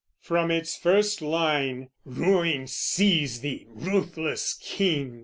From its first line, "Ruin seize thee, ruthless King!"